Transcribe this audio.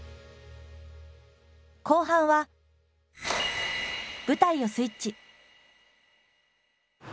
後半は舞台をスイッチ。